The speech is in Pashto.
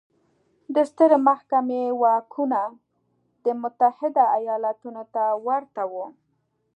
د سترې محکمې واکونه د متحده ایالتونو ته ورته وو.